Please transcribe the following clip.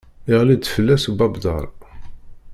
Iɣli-d fell-as ubabder.